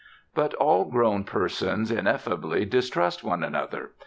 But all grown persons ineffably distrust one another....